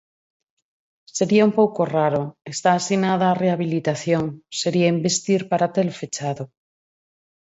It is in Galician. Sería un pouco raro, está asinada a rehabilitación, sería investir para telo fechado.